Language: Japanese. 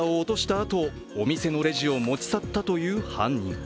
あとお店のレジを持ち去ったという犯人。